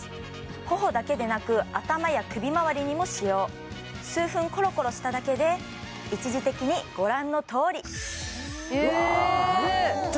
頬だけでなく頭や首まわりにも使用数分コロコロしただけで一時的にご覧のとおりえーっ！